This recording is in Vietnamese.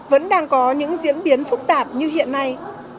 vẫn đang có những diễn biến phức tạp như hiện nay